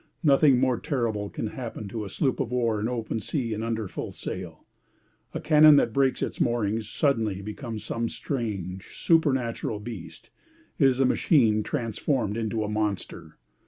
Nothing more terrible can happen to a sloop of war in open sea and under full sail. A cannon that breaks its moorings suddenly becomes some strange, supernatural beast. It is a machine transformed into a monster.